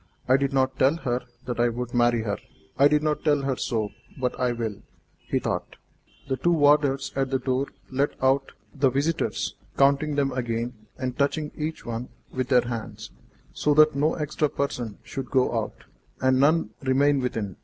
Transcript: "I did not tell her that I would marry her; I did not tell her so, but I will," he thought. The two warders at the door let out the visitors, counting them again, and touching each one with their hands, so that no extra person should go out, and none remain within.